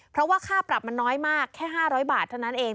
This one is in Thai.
เพราะว่าค่าปรับมันน้อยมากแค่๕๐๐บาทเท่านั้นเอง